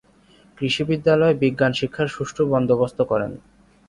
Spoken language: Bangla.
কৃষি বিদ্যালয়ে বিজ্ঞান শিক্ষার সুষ্ঠু বন্দোবস্ত করেন।